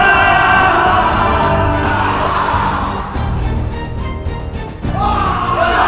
jangan sampai lolos